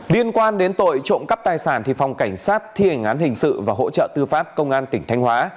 liên quan đến tội trộm cắp tài sản thì phòng cảnh sát thi hình án hình sự và hỗ trợ tư pháp công an tỉnh thành hóa